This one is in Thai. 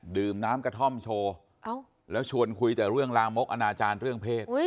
ดื่มน้ำกระท่อมโชว์แล้วชวนคุยแต่เรื่องลามกอนาจารย์เรื่องเพศ